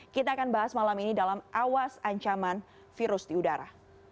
kita akan bahas malam ini dalam awas ancaman virus di udara